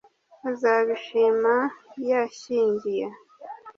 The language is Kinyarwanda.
azabishima yashyingiye!